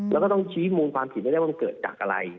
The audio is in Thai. แล้วก็ต้องชี้มูลความผิดให้ได้ว่ามันเกิดจากอะไร